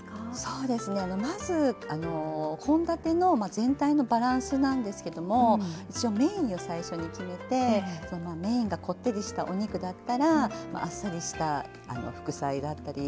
そうですねまず献立の全体のバランスなんですけども私はメインを最初に決めてそのメインがこってりしたお肉だったらあっさりした副菜だったり。